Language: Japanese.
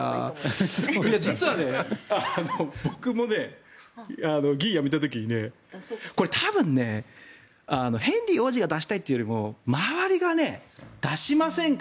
実は僕も議員を辞めた時に多分、ヘンリー王子が出したいというよりも周りが出しませんか？